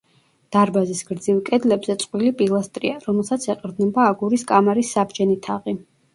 დარბაზის გრძივ კედლებზე წყვილი პილასტრია, რომელსაც ეყრდნობა აგურის კამარის საბჯენი თაღი.